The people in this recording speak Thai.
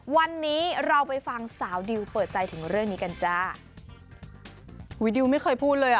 วันนี้เราไปฟังสาวดิวเปิดใจถึงเรื่องนี้กันจ้าอุ้ยดิวไม่เคยพูดเลยอ่ะ